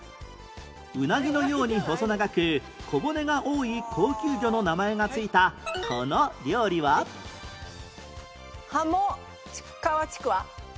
うなぎのように細長く小骨が多い高級魚の名前が付いたこの料理は？はも皮ちくわ。